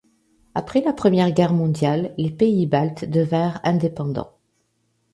Après la Première Guerre mondiale les pays Baltes devinrent indépendants.